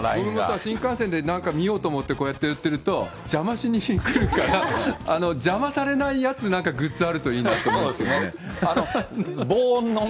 新幹線でなんか見ようと思ってこうやって打ってると、邪魔しに来るから、邪魔されないやつ、なんかグッズあるといいな防音のね。